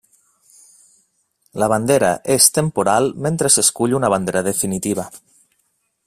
La bandera és temporal mentre s'escull una bandera definitiva.